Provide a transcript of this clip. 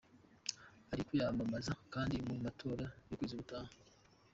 Ari kwiyamamaza kandi mu matora y'ukwezi gutaha.